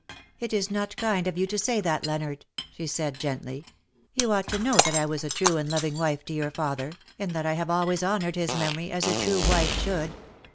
'^ It is not kind of you to say that; Leonard/' she said gently ;^' you ought to know that I was a true and loving wife to your father, and that I have always honoured his memory, as a true wife should.